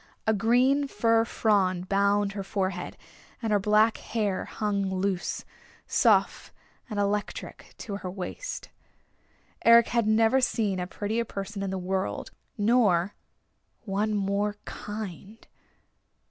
A green fir frond bound her forehead; and her black hair hung loose, soft and electric to her waist. Eric had never seen a prettier person in the world, nor one more kind.